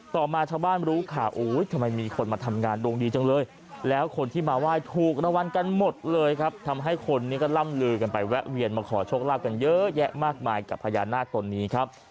ต่อมาชาวบ้านรู้ข่าวโอ้ยทำไมมีคนมาทำงานดวงดีจังเลยแล้วคนที่มาไหว้ถูกรางวัลกันหมดเลยครับทำให้คนนี้ก็ล่ำลือกันไปแวะเวียนมาขอโชคลาภกันเยอะแยะมากมายกับพญานาคตนนี้ครับ